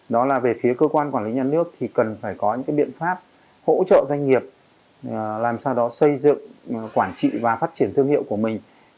đó là về phía cơ quan quản lý nhà nước thì cần phải có những biện pháp hỗ trợ doanh nghiệp làm sao đó xây dựng quản trị và phát triển thương hiệu của mình